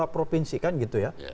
tiga puluh dua provinsi kan gitu ya